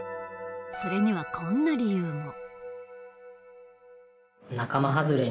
それにはこんな理由も。